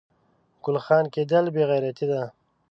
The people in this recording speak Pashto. ګل خان کیدل بې غیرتي ده